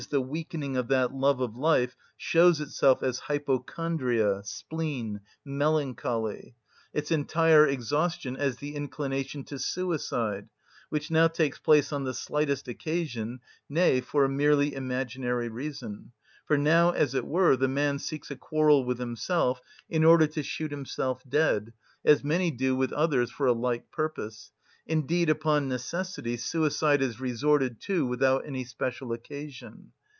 _, the weakening of that love of life shows itself as hypochondria, spleen, melancholy: its entire exhaustion as the inclination to suicide, which now takes place on the slightest occasion, nay, for a merely imaginary reason, for now, as it were, the man seeks a quarrel with himself, in order to shoot himself dead, as many do with others for a like purpose;—indeed, upon necessity, suicide is resorted to without any special occasion.